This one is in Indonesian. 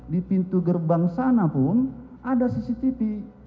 di pintu gerbang sana pun ada cctv